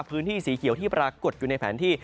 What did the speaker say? พื้นที่สีเขียวที่ปรากฏอยู่ในแผนที่